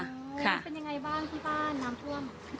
มันเป็นยังไงบ้างที่บ้านน้ำท่วม